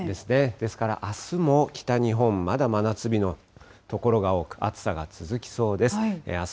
ですからあすも北日本、まだまだ真夏日の所が多く、暑さが続きそうです。